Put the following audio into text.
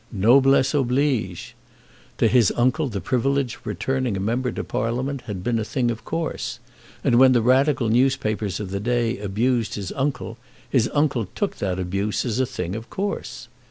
Noblesse oblige! To his uncle the privilege of returning a member to Parliament had been a thing of course; and when the Radical newspapers of the day abused his uncle, his uncle took that abuse as a thing of course.